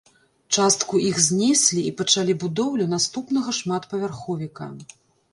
Частку іх знеслі і пачалі будоўлю наступнага шматпавярховіка.